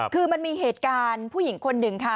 คือมันมีเหตุการณ์ผู้หญิงคนหนึ่งค่ะ